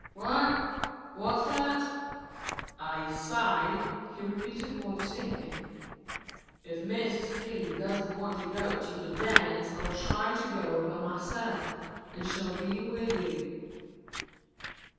("What? What's that?") "I say," he repeated more distinctly, "if Mrs. P. doesn't want to go to the dance I'll try to go by myself and shall be with you."